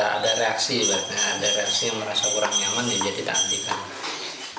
juga ada reaksi ada reaksi yang merasa kurang nyaman jadi tidak dikati